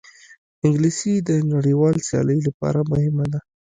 انګلیسي د نړیوال سیالۍ لپاره مهمه ده